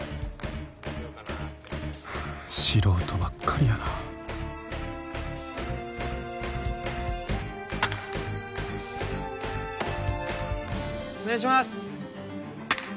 素人ばっかりやなお願いします